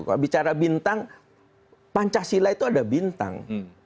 kalau bicara bintang pancasila itu ada bintang